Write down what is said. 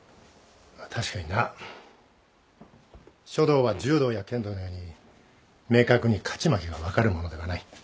まあ確かにな書道は柔道や剣道のように明確に勝ち負けが分かるものではない。